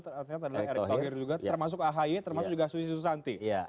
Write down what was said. ternyata adalah erick thohir juga termasuk ahy termasuk juga susi susanti